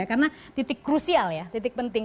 karena titik krusial ya titik penting